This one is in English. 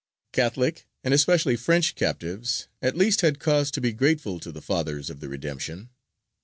Catholic, and especially French, captives at least had cause to be grateful to the Fathers of the Redemption.